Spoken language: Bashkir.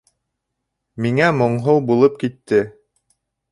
Миңә моңһоу булып китте.